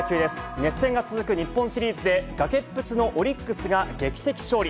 熱戦が続く日本シリーズで、崖っぷちのオリックスが劇的勝利。